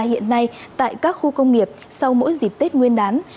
hiện nay tại các khu công nghiệp sau mỗi dịp tết nguyên đán